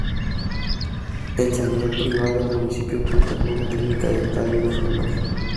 En sanidad privada, el municipio cuenta con una clínica dental y una farmacia.